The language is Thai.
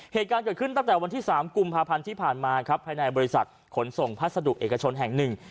เหตุการณ์เกิดขึ้นตั้งแต่วันที่๓กุมภาพันธ์ที่ผ่านมาครับภายในบริษัทขนส่งพัสดุเอกชนแห่งหนึ่ง